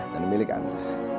dan milik anda